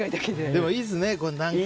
でもいいですね。